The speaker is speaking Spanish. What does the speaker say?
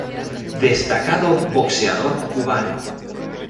Destacado boxeador cubano.